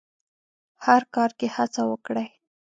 هر کار کې هڅه وکړئ.